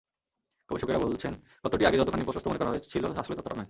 গবেষকেরা বলছেন, গর্তটি আগে যতখানি প্রশস্ত মনে করা হচ্ছিল আসলে ততটা নয়।